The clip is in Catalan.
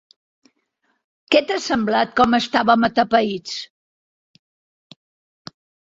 Què t'ha semblat com estàvem atapeïts?